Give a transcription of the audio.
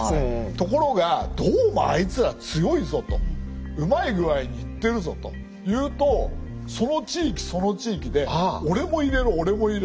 ところがどうもあいつら強いぞとうまい具合にいってるぞというとその地域その地域でうわ！